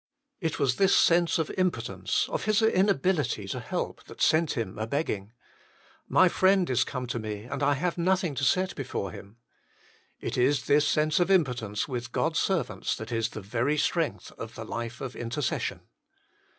It was this sense of impotence, of his inability to help, that sent him a begging :" My friend is come to me, and 7 have nothing to set before him." It is this sense of impotence with God s servants that is the very strength of the life of intercession.